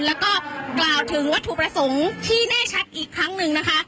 แล้วก็กล่าวถึงวัตถุประสงค์ที่แน่ชัดอีกครั้งหนึ่งนะคะ